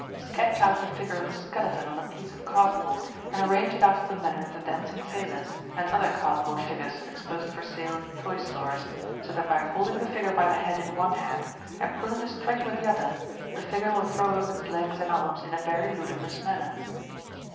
Sketch out the figure of a skeleton on a piece of cardboard, and arrange it after the manner of the dancing sailors and other cardboard figures exposed for sale in the toy stores, so that by holding the figure by the head in one hand, and pulling a string with the other, the figure will throw up its legs and arms in a very ludicrous manner.